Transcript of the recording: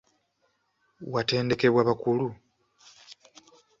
Watendekebwa bakulu?